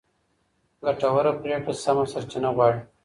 ګټوره پرېکړه سمه سرچینه غواړي.